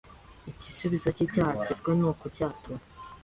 Igisubizo cy'icyaha kizwi ni ukucyatura